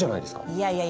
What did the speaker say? いやいやいや。